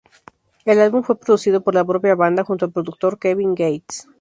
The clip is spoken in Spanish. El álbum fue producido por la propia banda junto al productor Kevin Gates.